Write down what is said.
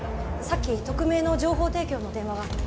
さっき匿名の情報提供の電話が。